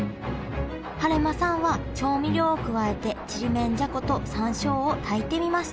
晴間さんは調味料を加えてちりめんじゃこと山椒を炊いてみました